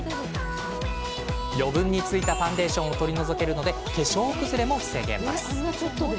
余分についたファンデーションを取り除けるので化粧崩れも防げますよ。